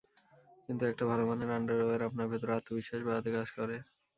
কিন্তু একটা ভালো মানের আন্ডারওয়্যার আপনার ভেতরে আত্মবিশ্বাস বাড়াতে কাজ করে।